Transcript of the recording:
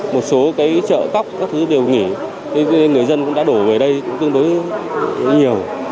một số chợ cóc đều nghỉ người dân đã đổ về đây tương đối nhiều